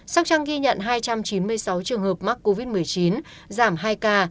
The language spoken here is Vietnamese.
sóc trăng ghi nhận hai trăm chín mươi sáu trường hợp mắc covid một mươi chín giảm hai ca